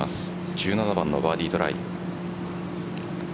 １７番のバーディートライ。